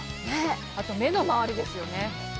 あと目の周りですよね。